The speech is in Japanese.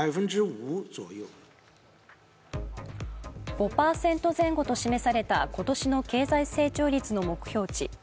５％前後と示された今年の経済成長率の目標値。